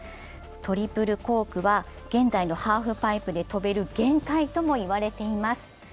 トリプルコークは現在のハーフパイプで跳べる限界とも言われています。